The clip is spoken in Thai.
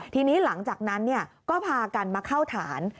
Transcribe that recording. ทีนี้หลังจากนั้นก็พากันมาเข้าฐาน